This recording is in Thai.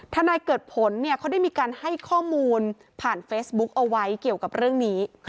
นายเกิดผลเนี่ยเขาได้มีการให้ข้อมูลผ่านเฟซบุ๊กเอาไว้เกี่ยวกับเรื่องนี้